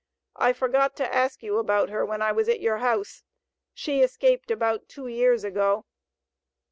I forgot to ask you about her when I was at your house. She escaped about two years ago.